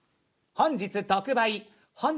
本日特売。